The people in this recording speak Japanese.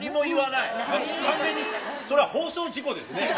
完全にそれは放送事故ですね。